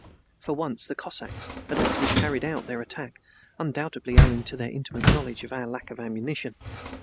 For once the Cossacks actually carried out their attack, undoubtedly owing to their intimate knowledge of our lack of ammunition.